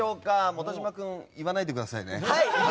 本島君、言わないでください。